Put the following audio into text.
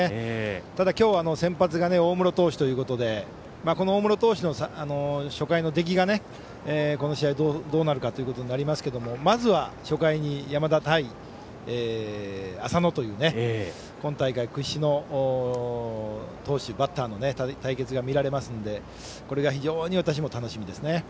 ただ、今日、先発が大室投手ということで初回の出来が初回どうなるかということになりますけれども初回に山田対浅野という今大会屈指の投手、バッターの対決が見られますのでこれが非常に私が楽しみですね。